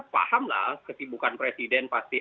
pahamlah kesibukan presiden pasti